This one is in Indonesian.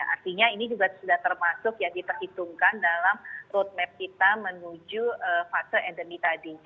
artinya ini juga sudah termasuk yang diperhitungkan dalam roadmap kita menuju fase endemi tadi